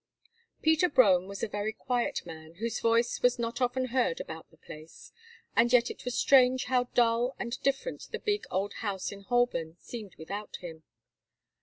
Peter Brome was a very quiet man, whose voice was not often heard about the place, and yet it was strange how dull and different the big, old house in Holborn seemed without him.